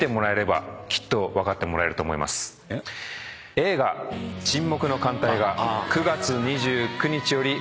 映画『沈黙の艦隊』が９月２９日より公開します。